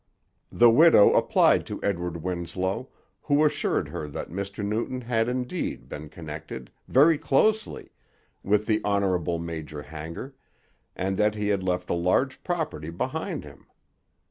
The widow applied to Edward Winslow, who assured her that Mr Newton had indeed been connected very closely with the Honourable Major Hanger, and that he had left a large property behind him.